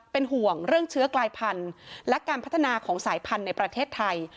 เป็นห่วงเรื่องเชื้อกลายพันธุ์และการพัฒนาของสายพันธุ์ในประเทศไทย